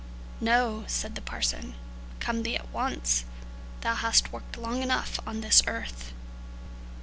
"No," said the parson, "come thee at once; thou hast worked long enough on this earth."